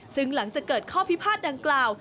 ซึ่งหลังจากเกิดข้อพิพาทดังกล่าว